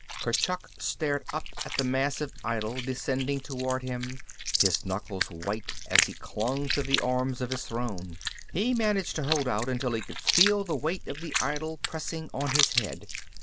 Kurchuk stared up at the massive idol descending toward him, his knuckles white as he clung to the arms of his throne. He managed to hold out until he could feel the weight of the idol pressing on his head.